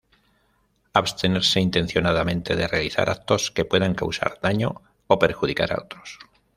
Abstenerse intencionadamente de realizar actos que puedan causar daño o perjudicar a otros.